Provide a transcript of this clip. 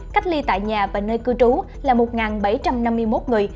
cách ly tại nhà và nơi cư trú là một bảy trăm năm mươi một người